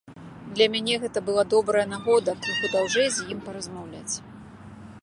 Для мяне гэта была добрая нагода крыху даўжэй з ім паразмаўляць.